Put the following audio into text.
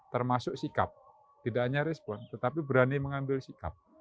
termasuk sikap tidak hanya respon tetapi berani mengambil sikap